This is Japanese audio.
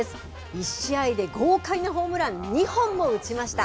１試合で豪快なホームラン２本も打ちました。